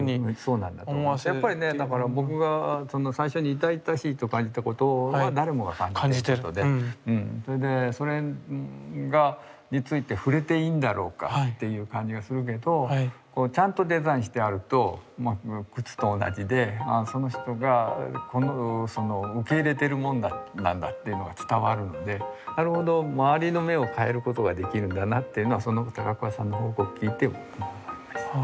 やっぱりね僕が最初に痛々しいと感じたことは誰もが感じていることでそれについて触れていいんだろうかっていう感じがするけどちゃんとデザインしてあると靴と同じでその人が受け入れてるもんなんだっていうのが伝わるんでなるほど周りの目を変えることができるんだなっていうのを高桑さんの報告を聞いて思いました。